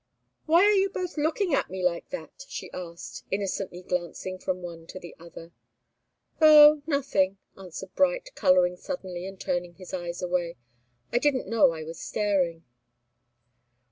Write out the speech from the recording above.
"Why are you both looking at me like that?" she asked, innocently glancing from one to the other. "Oh nothing!" answered Bright, colouring suddenly and turning his eyes away. "I didn't know I was staring."